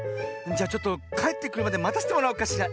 じゃちょっとかえってくるまでまたせてもらおうかしら。